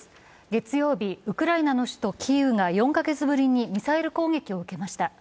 月曜日、ウクライナの首都キーウが４か月ぶりにミサイル攻撃を受けました。